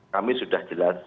kami sudah jelas